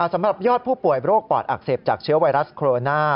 สำหรับยอดผู้ป่วยโรคปอดอักเสบจากเชื้อไวรัสโคโรนา